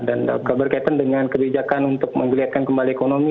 dan berkaitan dengan kebijakan untuk memperlihatkan kembali ekonomi